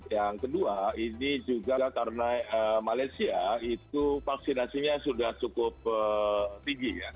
yang kedua ini juga karena malaysia itu vaksinasinya sudah cukup tinggi ya